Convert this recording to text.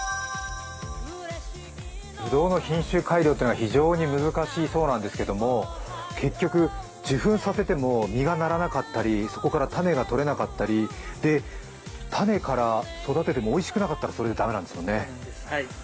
ぶどうの品種改良というのは非常に難しいらしいんですが結局、受粉させても実がならなかったり、そこから種が取れなかったり、種から育ててもおいしくなかったら、それで駄目なんですもんね。